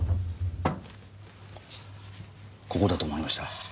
ここだと思いました。